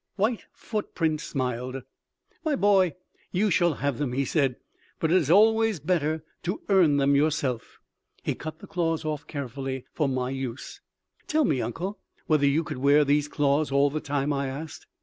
White Foot print smiled. "My boy, you shall have them," he said, "but it is always better to earn them yourself." He cut the claws off carefully for my use. "Tell me, uncle, whether you could wear these claws all the time?" I asked.